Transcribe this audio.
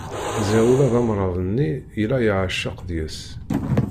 Ziɣ ula d amrabeḍ-nni yella yeɛceq deg-s.